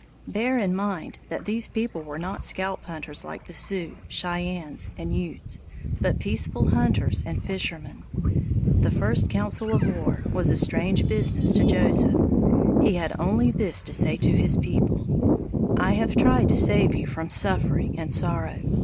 Bear in mind that these people were not scalp hunters like the Sioux, Cheyennes, and Utes, but peaceful hunters and fishermen. The first council of war was a strange business to Joseph. He had only this to say to his people: "I have tried to save you from suffering and sorrow.